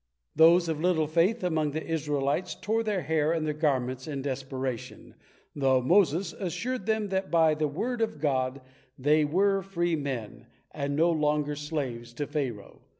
Those of little faith among the Israelites tore their hair and their garments in desperation, though Moses assured them that by the word of God they were free men, and no longer slaves to Pharaoh.